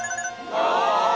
ああ！